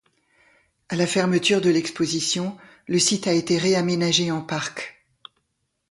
À la fermeture de l'exposition, le site a été réaménagé en parc.